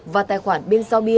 và tài khoản bên giao bia